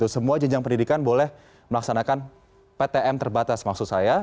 semua jenjang pendidikan boleh melaksanakan ptm terbatas maksud saya